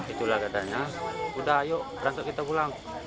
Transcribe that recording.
itulah katanya udah ayo berangkat kita pulang